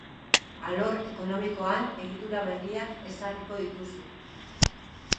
Alor ekonomikoan egitura berriak ezarriko dituzu.